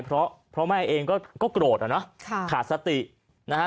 เพราะพ่อแม่เองก็โกรธอะเนาะขาดสตินะฮะ